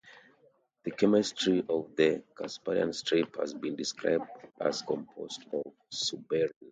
The chemistry of the Casparian strip has been described as composed of suberin.